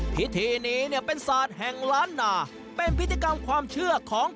พิธีนี้เนี่ยเป็นศาลแห่งล้านนาเป็นพิธีกรรมความเชื่อของคนภาษาเหนือ